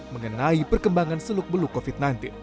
mengenai perkembangan seluk beluk covid sembilan belas